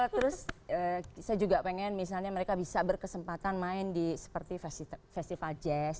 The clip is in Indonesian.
terus saya juga pengen misalnya mereka bisa berkesempatan main di seperti festival jazz